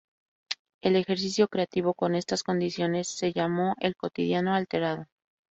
El ejercicio creativo con estas condiciones se llamó "El Cotidiano Alterado.